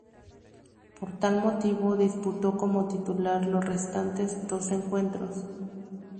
Por tal motivo disputó como titular los restantes dos encuentros.